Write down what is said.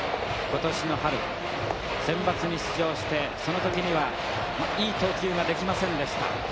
今年の春センバツに出場してそのときにはいい投球ができませんでした。